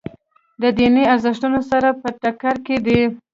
د دیني ارزښتونو سره په ټکر کې دي.